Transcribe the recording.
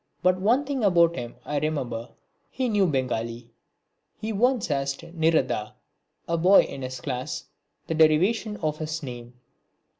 But one thing about him I remember. He knew Bengali. He once asked Nirada, a boy in his class, the derivation of his name.